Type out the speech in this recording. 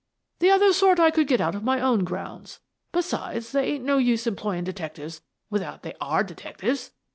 The other sort I could get out of my own grounds. Besides, there ain't no use employin' detectives without they are detectives.